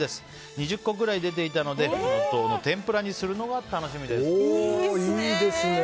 ２０個くらい出ていたのでフキノトウの天ぷらにするのがいいですね。